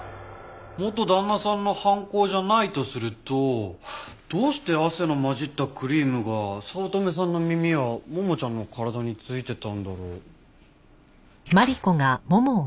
元旦那さんの犯行じゃないとするとどうして汗の混じったクリームが早乙女さんの耳やももちゃんの体に付いてたんだろう？